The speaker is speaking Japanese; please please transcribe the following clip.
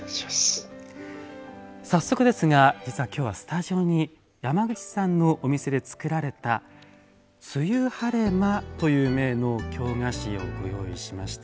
早速ですが実は今日はスタジオに山口さんのお店で作られた梅雨晴れ間という銘の京菓子をご用意しました。